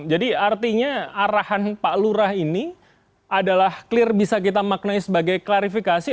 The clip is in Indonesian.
jadi artinya arahan pak lurah ini adalah clear bisa kita maknai sebagai klarifikasi